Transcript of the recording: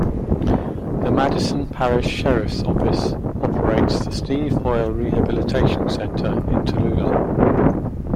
The Madison Parish Sheriff's office operates the Steve Hoyle Rehabilitation Center in Tallulah.